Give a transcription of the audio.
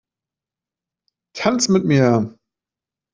Tanz mit mir!